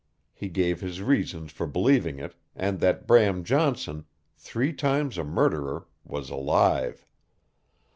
He gave his reasons for believing it, and that Bram Johnson, three times a murderer, was alive.